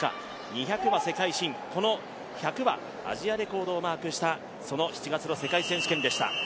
２００は世界新、この１００はアジアレコードをマークした７月の世界選手権でした。